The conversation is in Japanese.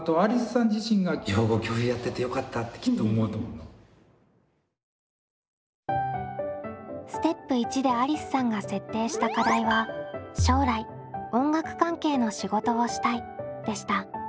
だからステップ①でありすさんが設定した課題は将来「音楽関係の仕事をしたい」でした。